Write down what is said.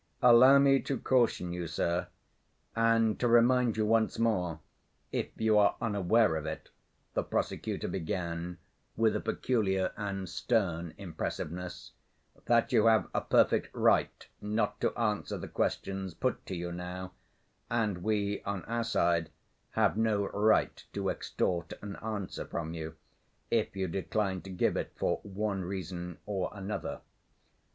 "Allow me to caution you, sir, and to remind you once more, if you are unaware of it," the prosecutor began, with a peculiar and stern impressiveness, "that you have a perfect right not to answer the questions put to you now, and we on our side have no right to extort an answer from you, if you decline to give it for one reason or another.